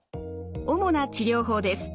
主な治療法です。